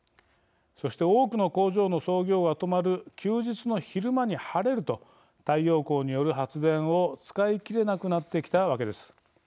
そして、多くの工場の操業が止まる休日の昼間に晴れると太陽光による発電を使い切れなくなってきたわけです。